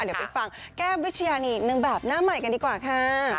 เดี๋ยวไปฟังแก้มวิชญานีนางแบบหน้าใหม่กันดีกว่าค่ะ